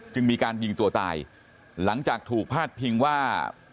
จึงมีการยิงตัวตายหลังจากถูกพาดพิงว่า